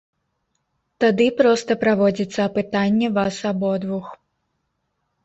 Тады проста праводзіцца апытанне вас абодвух.